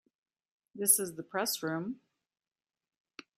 This is the Press Room.